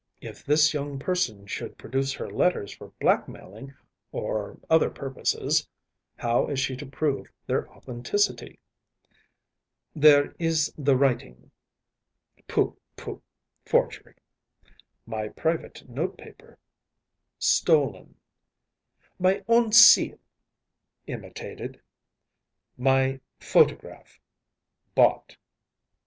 If this young person should produce her letters for blackmailing or other purposes, how is she to prove their authenticity?‚ÄĚ “There is the writing.‚ÄĚ “Pooh, pooh! Forgery.‚ÄĚ “My private note paper.‚ÄĚ ‚ÄúStolen.‚ÄĚ “My own seal.‚ÄĚ ‚ÄúImitated.‚ÄĚ “My photograph.‚ÄĚ “Bought.